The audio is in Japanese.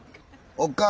おっかあ？